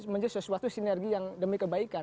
menjadi sesuatu sinergi yang demi kebaikan